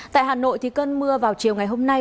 tại hà nội cơn mưa vào chiều ngày hôm nay